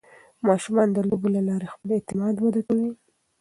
ماشومان د لوبو له لارې خپل اعتماد وده کوي.